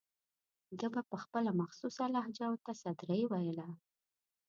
ده به په خپله مخصوصه لهجه ورته سدرۍ ویله.